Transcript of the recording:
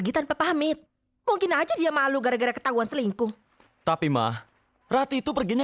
sampai jumpa di video selanjutnya